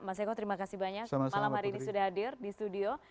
mas eko terima kasih banyak malam hari ini sudah hadir di studio